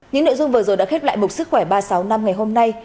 những nội dung vừa rồi đã khép lại một sức khỏe ba sáu năm ngày hôm nay